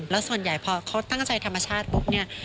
แล้วส่วนใหญ่พอเขาตั้งใจธรรมชาติ